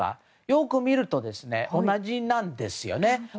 よく見ると、同じなんですよね。